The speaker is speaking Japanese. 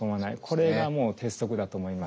これがもう鉄則だと思います。